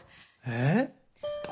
えっ？